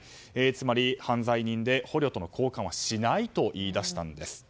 つまり、犯罪人で捕虜との交換はしないと言い出したんです。